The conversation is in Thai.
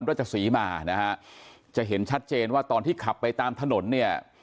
ราชศรีมานะฮะจะเห็นชัดเจนว่าตอนที่ขับไปตามถนนเนี่ย